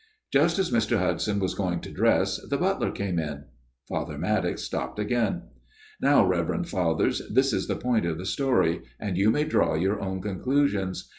" Just as Mr. Hudson was going to dress, the butler came in." Father Maddox stopped again. " Now, Reverend Fathers, this is the point of the story, and you may draw your own conclusions.